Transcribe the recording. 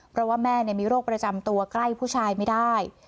เพราะว่าแม่มีโรคประจำตัวใกล้ผู้ชายไม่ได้